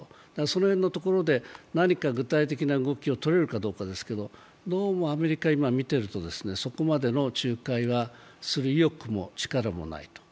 そこら辺のところで、何か具体的な動きをとれるかどうかですが、どうもアメリカ今、見てると、そこまでの仲介はする意欲も力もないと。